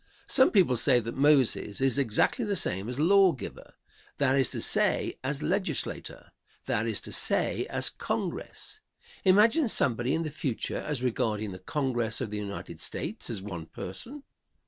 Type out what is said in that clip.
Some people say that Moses is exactly the same as "law giver;" that is to say, as Legislature, that is to say as Congress. Imagine somebody in the future as regarding the Congress of the United States as one person!